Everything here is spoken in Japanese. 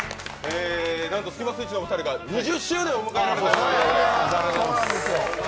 なんとスキマスイッチのお二人が２０周年を迎えられました。